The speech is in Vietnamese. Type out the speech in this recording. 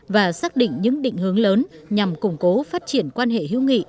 và xác định những định hướng lớn nhằm củng cố phát triển quan hệ hữu nghị